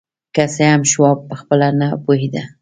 که څه هم شواب پخپله نه پوهېده